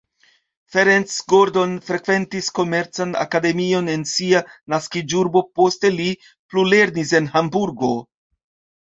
Ferenc Gordon frekventis komercan akademion en sia naskiĝurbo, poste li plulernis en Hamburgo.